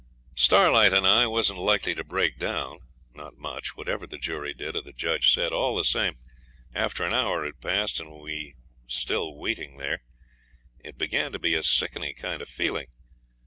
Starlight and I wasn't likely to break down not much whatever the jury did or the judge said. All the same, after an hour had passed, and we still waiting there, it began to be a sickening kind of feeling.